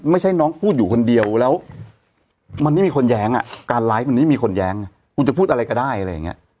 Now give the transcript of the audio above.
ไม่ใช่น้องพูดอยู่คนเดียวแล้วมันไม่มีคนแย้งอ่ะการไลฟ์มันไม่มีคนแย้งคุณจะพูดอะไรก็ได้อะไรอย่างนี้